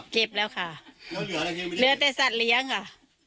เก็บแล้วค่ะเหลือแต่สัตว์เลี้ยงค่ะ